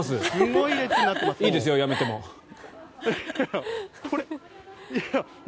いいですよ、やめても。